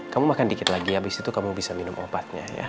kamu makan dikit lagi abis itu kamu bisa minum obatnya ya